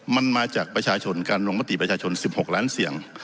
มันมาจากประชาชนการลงมติประชาชน๑๖ล้านเสียง